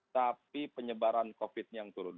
tapi penyebaran covid sembilan belas nya juga turun